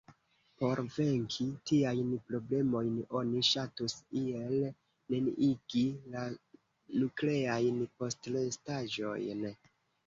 Por venki tiajn problemojn oni ŝatus iel neniigi la nukleajn postrestaĵojn.